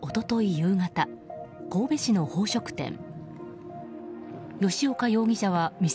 夕方神戸市の宝飾店。